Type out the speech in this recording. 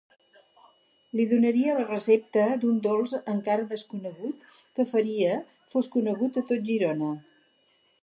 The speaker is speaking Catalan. Li donaria la recepta d'un dolç encara desconegut, que faria fos conegut a tot Girona.